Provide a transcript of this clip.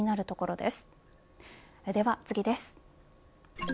では次です。